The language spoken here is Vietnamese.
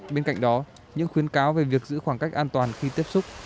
bên cạnh đó những khuyến cáo về việc giữ khoảng cách an toàn khi tiếp xúc